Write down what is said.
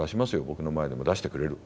ぼくの前でも出してくれる。